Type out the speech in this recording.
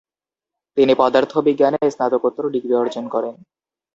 তিনি পদার্থবিজ্ঞানে স্নাতকোত্তর ডিগ্রি অর্জন করেন।